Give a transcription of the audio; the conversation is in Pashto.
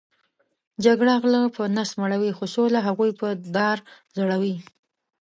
جګړه غلۀ په نس مړؤی خو سوله هغوې په دار ځړؤی